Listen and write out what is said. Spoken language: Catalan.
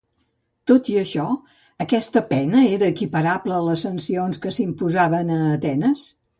Tot i això, aquesta pena era equiparable a les sancions que s'imposaven a Atenes?